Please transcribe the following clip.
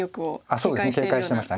そうですね警戒してました。